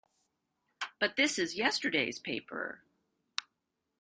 But this is yesterday's paper!